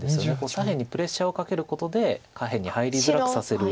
左辺にプレッシャーをかけることで下辺に入りづらくさせる。